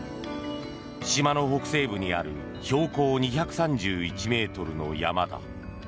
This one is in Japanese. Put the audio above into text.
島の北西部にある標高２３１ｍの山だ。